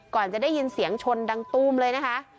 ก่อนจะได้ยินเสียงชนดังตู้มเลยนะคะ